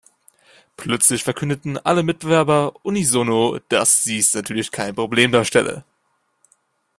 Plötzlich verkündeten alle Mitbewerber unisono, dass dies natürlich kein Problem darstelle.